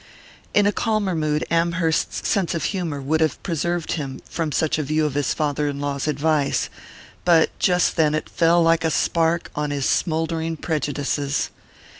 In a calmer mood Amherst's sense of humour would have preserved him from such a view of his father in law's advice; but just then it fell like a spark on his smouldering prejudices.